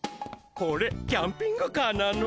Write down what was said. これキャンピングカーなの？